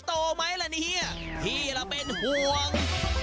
โชว์ไหมละนี่เหี้ยพี่ละเป็นห่วง